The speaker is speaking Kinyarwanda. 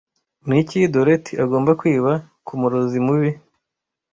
Niki Dorethy agomba kwiba kumurozi mubi